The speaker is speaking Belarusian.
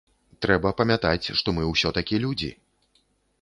Трэба памятаць, што мы ўсё-такі людзі.